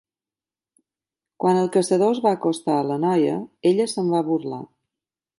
Quan el caçador es va acostar a la noia, ella se'n va burlar.